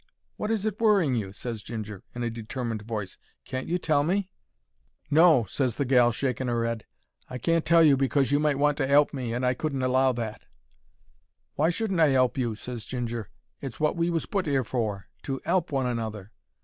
"Wot is it worrying you?" ses Ginger, in a determined voice. "Can't you tell me?" "No," ses the gal, shaking her 'ead, "I can't tell you because you might want to 'elp me, and I couldn't allow that." "Why shouldn't I 'elp you?" ses Ginger. "It's wot we was put 'ere for: to 'elp one another."